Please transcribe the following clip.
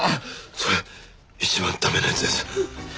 それ一番駄目なやつです。